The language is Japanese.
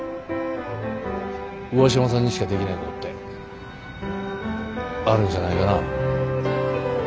上嶋さんにしかできないことってあるんじゃないかな。